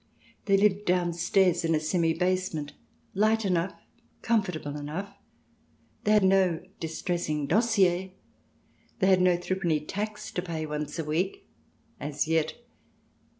They lived downstairs in a semi basement, light enough, comfortable enough. They had no distressing dossier; they had no three penny tax to pay once a week (as yet